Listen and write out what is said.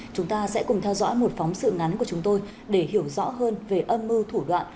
chúng ta sẽ cùng theo dõi một phóng sự ngắn của chúng tôi để hiểu rõ hơn về âm mưu thủ đoạn